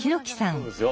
そうですよ。